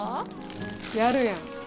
やるやん。